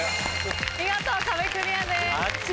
見事壁クリアです。